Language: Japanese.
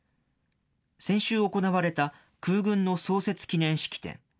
先週行われた空軍の創設記念式典。